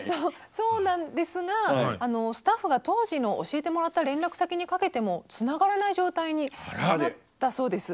そうなんですがスタッフが当時の教えてもらった連絡先にかけてもつながらない状態になったそうです。